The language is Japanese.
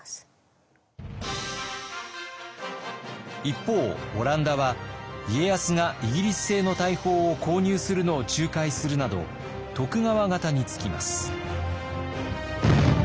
一方オランダは家康がイギリス製の大砲を購入するのを仲介するなど徳川方につきます。